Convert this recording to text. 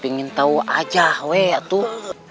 pengen tau aja weh tuh